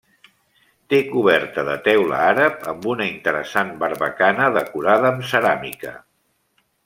Té coberta de teula àrab, amb una interessant barbacana decorada amb ceràmica.